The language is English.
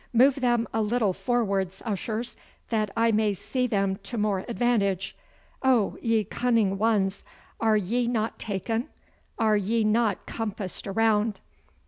'Move them a little forwards, ushers, that I may see them to more advantage. Oh, ye cunning ones! Are ye not taken? Are ye not compassed around?